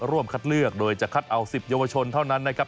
ร่วมคัดเลือกโดยจะคัดเอา๑๐เยาวชนเท่านั้นนะครับ